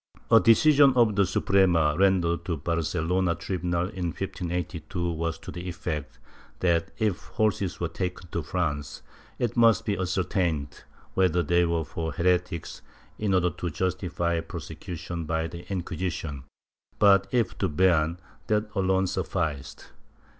^ A decision of the Suprema, rendered to the Barcelona tribunal in 1582, was to the effect that, if horses were taken to France, it must be ascertained whether they were for heretics in order to justify prosecution by the Inquisition, but, if to Beam, that alone sufficed.